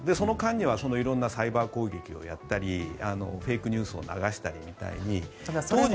その間には色々サイバー攻撃をやったりフェイクニュースをやったりみたいに。